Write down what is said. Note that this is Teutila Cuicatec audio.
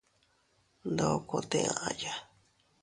Ndokote aʼya.